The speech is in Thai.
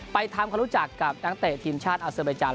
ไปทำความรู้จักกับนักเตะทีมชาติอาเซอร์เบจัน